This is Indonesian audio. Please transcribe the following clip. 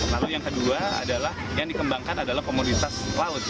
lalu yang kedua adalah yang dikembangkan adalah komoditas laut